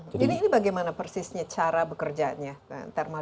jadi ini bagaimana persisnya cara bekerjanya thermal